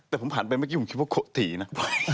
แต่ผมผ่านไปเมื่อกี้ผมคิดว่าโขตีนะ